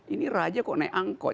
ini raja kok naik angkok